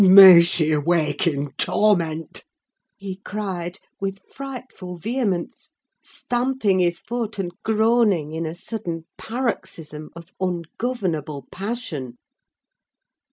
"May she wake in torment!" he cried, with frightful vehemence, stamping his foot, and groaning in a sudden paroxysm of ungovernable passion.